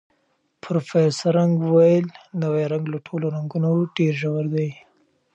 پروفیسر نګ وویل، نوی رنګ له ټولو رنګونو ډېر ژور دی.